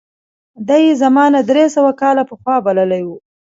ده یې زمانه درې سوه کاله پخوا بللې وه.